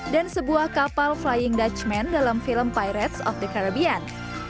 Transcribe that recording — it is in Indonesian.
dan sebuah kapal flying dutchman dalam film pirates of the caribbean